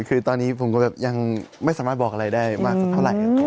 คือตอนนี้ผมก็แบบยังไม่สามารถบอกอะไรได้มากสักเท่าไหร่